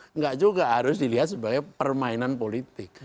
tidak juga harus dilihat sebagai permainan politik